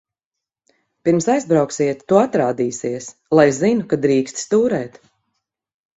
Pirms aizbrauksiet, tu atrādīsies, lai zinu, ka drīksti stūrēt.